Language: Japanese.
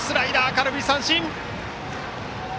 空振り三振！